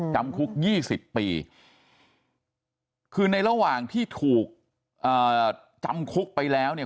จำคุก๒๐ปีคือในระหว่างที่ถูกจำคุกไปแล้วเนี่ย